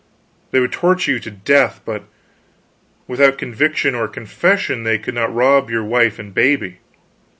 They could torture you to death, but without conviction or confession they could not rob your wife and baby.